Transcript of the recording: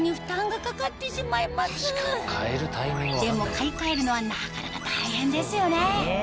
買い替えるのはなかなか大変ですよね